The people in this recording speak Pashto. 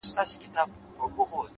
خپل ظرفیت تر شک مه قربانوئ’